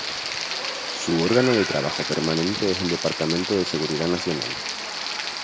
Su órgano de trabajo permanente es el Departamento de Seguridad Nacional.